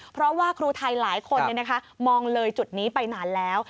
เพราะว่าครูไทยหลายคนมองเลยจุดนี้ไปนานแล้ว